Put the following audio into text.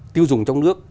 tiêu dùng trong nước